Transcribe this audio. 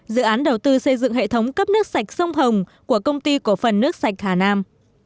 dự án đầu tư xây dựng hệ thống cấp nước sạch sông hồng của công ty cổ phần nước sạch hà nam